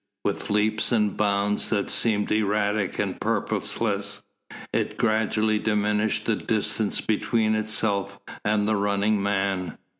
With leaps and bounds that seemed erratic and purposeless, it gradually diminished the distance between itself and the running man.